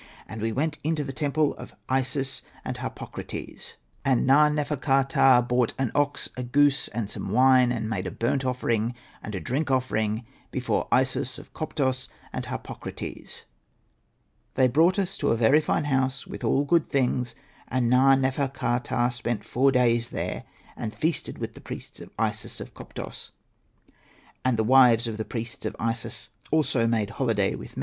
We went into the temple of Isis and Harpokrates ; and Hosted by Google AHURA'S TALE 97 Na.nefer.ka.ptah brought an ox, a goose, and some wine, and made a burnt offering and a drink offering before Isis of Koptos and Harpokrates. They brought us to a very *T^i5^r»^ B. THE PRIESTS WIVES. fine house, with all good things ; and Na. nefer.ka.ptah spent four days there and feasted with the priests of Isis of Koptos, and the wives of the priests of Isis also made holiday with me.